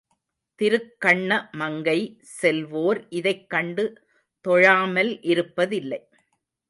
திருக்கண்ண மங்கை செல்வோர் இதைக் கண்டு தொழாமல் இருப்பதில்லை.